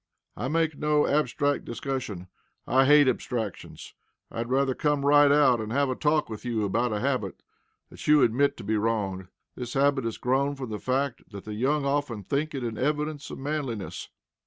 I make no abstract discussion. I hate abstractions. I had rather come right out and have a talk with you about a habit that you admit to be wrong. This habit has grown from the fact that the young often think it an evidence of manliness.